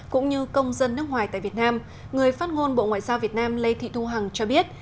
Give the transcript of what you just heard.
cũng như công dân nước ngoài tại việt nam người phát ngôn bộ ngoại giao việt nam lê thị thu hằng cho biết